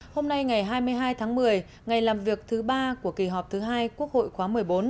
hôm nay ngày hai mươi hai tháng một mươi ngày làm việc thứ ba của kỳ họp thứ hai quốc hội khóa một mươi bốn